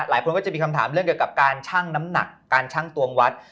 หลายคนก็จะมีคำถามเรื่องเกี่ยวกับการชั่งน้ำหนักการชั่งตวงวัด